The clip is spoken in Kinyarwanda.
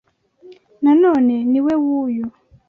Na none ni we w’uyu